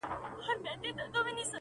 o فقير ته د سپو سلا يوه ده٫